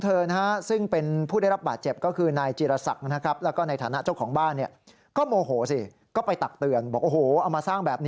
หลังเกิดเหตุภรรยาแจ้ง